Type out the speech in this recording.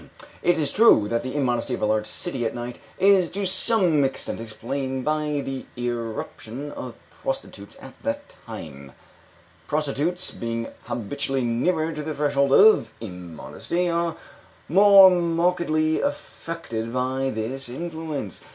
It is true that the immodesty of a large city at night is to some extent explained by the irruption of prostitutes at that time; prostitutes, being habitually nearer to the threshold of immodesty, are more markedly affected by this influence.